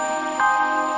papa mau kan mencarinya